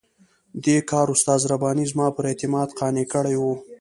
دې کار استاد رباني زما پر اعتماد قانع کړی وو.